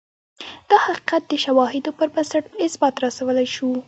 دا حقیقت د شواهدو پر بنسټ په اثبات رسولای شو